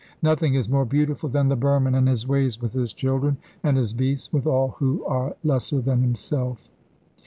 Nothing is more beautiful than the Burman in his ways with his children, and his beasts, with all who are lesser than himself.